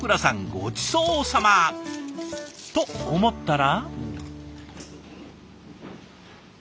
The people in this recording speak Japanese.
ごちそうさま！と思ったら。